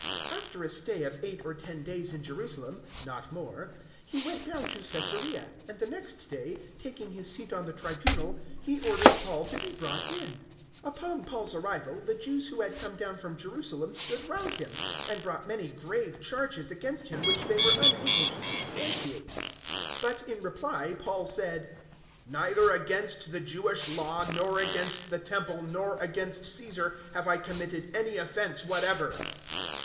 025:006 After a stay of eight or ten days in Jerusalem not more he went down to Caesarea; and the next day, taking his seat on the tribunal, he ordered Paul to be brought in. 025:007 Upon Paul's arrival, the Jews who had come down from Jerusalem stood round him, and brought many grave charges against him which they were unable to substantiate. 025:008 But, in reply, Paul said, "Neither against the Jewish Law, nor against the Temple, nor against Caesar, have I committed any offence whatever."